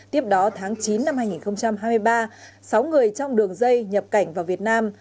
tiếp đó tháng chín năm hai nghìn hai mươi ba sáu người trong đường dây nhập cảnh vào việt nam